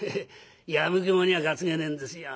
「やみくもには担げねえんですよ。